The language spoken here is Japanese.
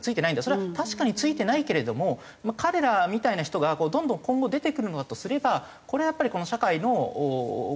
それは確かについてないけれども彼らみたいな人がどんどん今後出てくるのだとすればこれはやっぱりこの社会の根本的な問題。